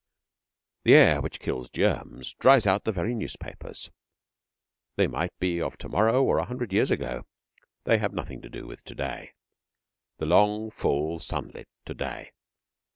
The air which kills germs dries out the very newspapers. They might be of to morrow or a hundred years ago. They have nothing to do with to day the long, full, sunlit to day.